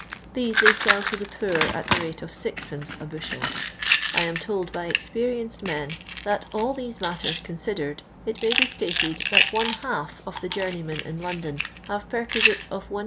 These they sell to the poor at the rmte of 6d, a bushel. I am told by experienced men that, all these matters considered, it may be stated that one half of the journeymen in London hare per quisites of 1a (W..